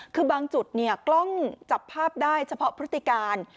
คือบางจุดกล้องจับภาพได้เฉพาะพฤติการ